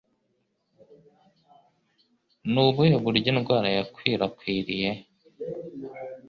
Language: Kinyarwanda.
Ni ubuhe buryo indwara yakwirakwiriye?